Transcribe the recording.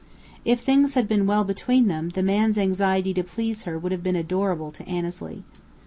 If things had been well between them, the man's anxiety to please her would have been adorable to Annesley.